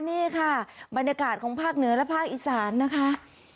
นี่ค่ะบรรยากาศของภาคเหนือและภาคอีสานนะคะ